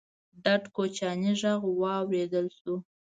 ډډ کوچيانی غږ واورېدل شو: